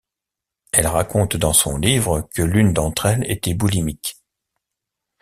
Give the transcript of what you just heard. Elle raconte dans son livre que l'une d'entre elles était boulimique.